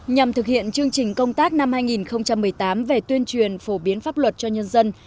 nhằm thực hiện chương trình công tác năm hai nghìn một mươi tám về tuyên truyền phổ biến pháp luật cho nhân dân